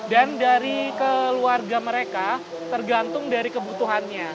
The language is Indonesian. dan dari keluarga mereka tergantung dari kebutuhannya